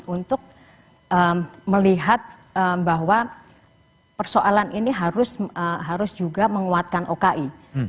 untuk melihat bahwa persoalan ini harus juga menguatkan oki